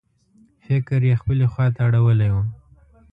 فکر یې خپلې خواته اړولی و.